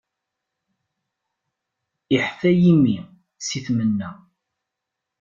Iḥfa yimi, si tmenna.